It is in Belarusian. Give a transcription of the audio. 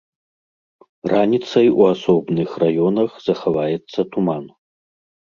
Раніцай у асобных раёнах захаваецца туман.